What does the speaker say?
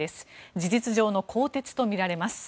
事実上の更迭とみられます。